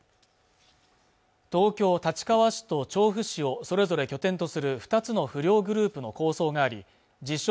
東京立川市と調布市をそれぞれ拠点とする２つの不良グループの抗争があり自称